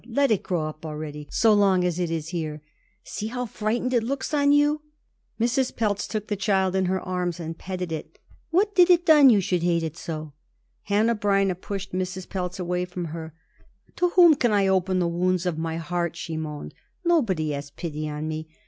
Let it grow up already so long as it is here. See how frightened it looks on you." Mrs. Pelz took the child in her arms and petted it. "The poor little lamb! What did it done you should hate it so?" Hanneh Breineh pushed Mrs. Pelz away from her. "To whom can I open the wounds of my heart?" she moaned. "Nobody has pity on me.